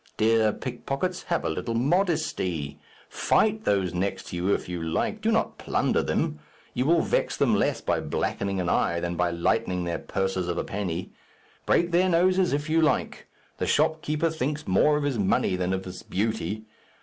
Dear pickpockets, have a little modesty. Fight those next to you if you like; do not plunder them. You will vex them less by blackening an eye, than by lightening their purses of a penny. Break their noses if you like. The shopkeeper thinks more of his money than of his beauty.